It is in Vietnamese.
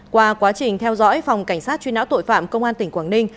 qua quá trình theo dõi phòng cảnh sát truy nã tội phạm công an tỉnh quảng ninh